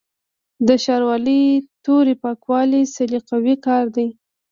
د شاروالۍ تورې پاکول سلیقوي کار دی.